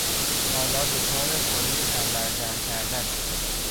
حالا دچار خورهی تمبر جمع کردن شده.